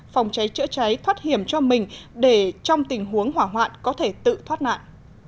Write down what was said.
phòng cháy chữa cháy thoát hiểm cho mình để trong tình huống hỏa hoạn có thể tự thoát nạn